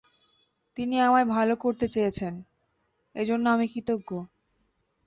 তিনি আমায় ভাল করতে চেয়েছেন, এজন্য আমি কৃতজ্ঞ।